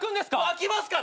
開きますから！